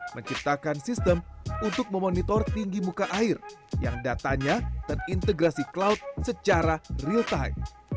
menciptakan sistem untuk memonitor tinggi muka air yang datanya terintegrasi cloud secara real time